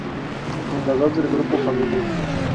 Fundador del Grupo Familia.